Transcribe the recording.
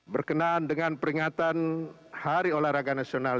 berkenaan dengan peringatan hari olahraga nasional